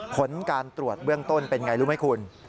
ขนการตรวจเบื้องต้นเป็นอย่างไรรู้ไหมคุณ